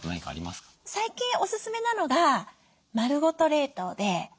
最近おすすめなのが丸ごと冷凍で。